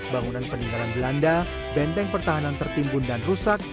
bangunan peninggalan belanda benteng pertahanan tertimbun dan rusak